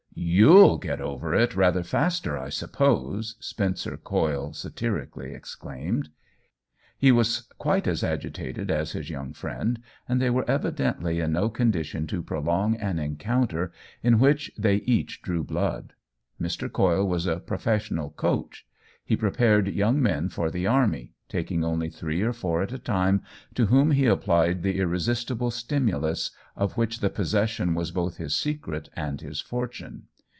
"K?«'// get over it rather faster, I sup pose !" Spencer Coyle satirically exclaimed. OWEN WINGRAVE 149 He was quite as agitated as his young friend, and they were evidently in no con dition to prolong an encounter in which they each drew blood. Mr. Coyle was a professional " coach ;" he prepared young men for the army, taking only three or four at a time, to whom he applied the irresisti ble stimulus of which the possession was both his secret and his fortune.